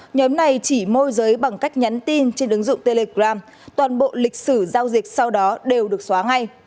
nhóm này chỉ môi giới bằng cách nhắn tin trên ứng dụng telegram toàn bộ lịch sử giao dịch sau đó đều được xóa ngay